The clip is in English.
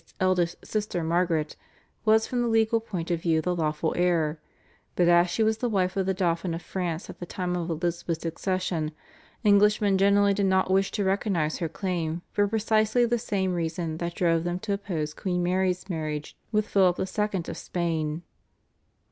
's eldest sister Margaret, was from the legal point of view the lawful heir; but as she was the wife of the Dauphin of France at the time of Elizabeth's accession, Englishmen generally did not wish to recognise her claim for precisely the same reasons that drove them to oppose Queen Mary's marriage with Philip II. of Spain.